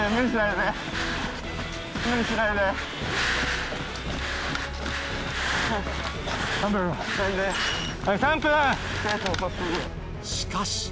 しかし。